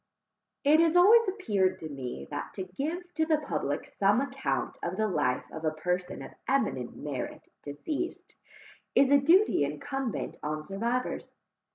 It has always appeared to me, that to give to the public some account of the life of a person of eminent merit deceased, is a duty incumbent on survivors.